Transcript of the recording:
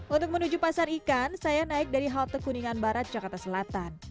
untuk menuju pasar ikan saya naik dari halte kuningan barat jakarta selatan